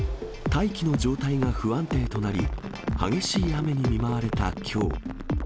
大気の状態が不安定となり、激しい雨に見舞われたきょう。